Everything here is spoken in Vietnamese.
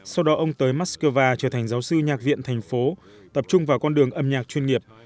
sau đó ông tới moscow trở thành giáo sư nhạc viện thành phố tập trung vào con đường âm nhạc chuyên nghiệp